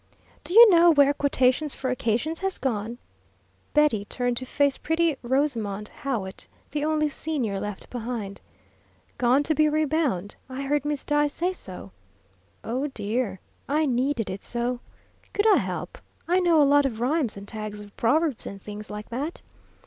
"Do you know where 'Quotations for Occasions' has gone?" Betty turned to face pretty Rosamond Howitt, the only senior left behind. "Gone to be rebound. I heard Miss Dyce say so." "Oh, dear, I needed it so." "Could I help? I know a lot of rhymes and tags of proverbs and things like that."